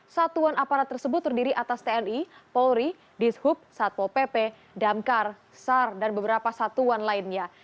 satuan aparat tersebut terdiri atas tni polri dishub satpol pp damkar sar dan beberapa satuan lainnya